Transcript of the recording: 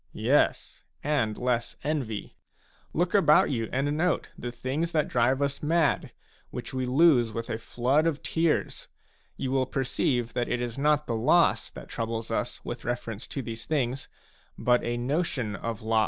,, Yes, and less envy. Look about you and note the things that drive us madj which we lose with a flood of tears ; you will perceive that it is not the loss that troubles us with 283 Digitized by THE EPISTLES OF SENECA damni.